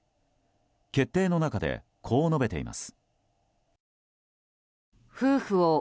決定の中で、こう述べています。